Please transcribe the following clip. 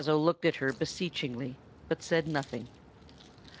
"Chimborazo looked at her beseechingly, but said nothing.